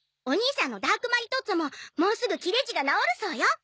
お兄さんのダークマリトッツォももうすぐ切れ痔が治るそうよ。